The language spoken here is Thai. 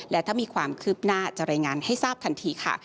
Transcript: และถ้ามีความคืบหน้าจะรายงานให้ทราบทันทีค่ะ